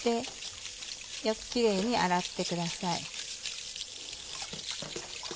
よくキレイに洗ってください。